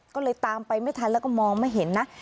ก็เลยตามไปไม่ทันแล้วก็มองไม่เห็นนะ